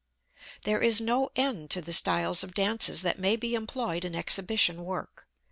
There is no end to the styles of dances that may be employed in exhibition work.